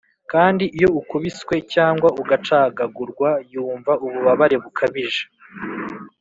kandi iyo ukubiswe cyangwa ugacagagurwa yumva ububabare bukabije